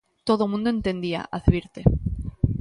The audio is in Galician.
"Todo o mundo o entendía", advirte.